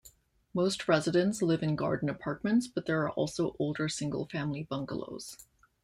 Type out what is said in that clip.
Most residents live in garden apartments, but there are also older single-family bungalows.